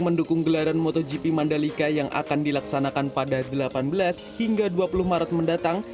mendukung gelaran motogp mandalika yang akan dilaksanakan pada delapan belas hingga dua puluh maret mendatang